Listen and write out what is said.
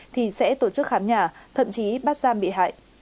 thì sẽ tổ chức khám nhà thậm chí bắt giam bị hại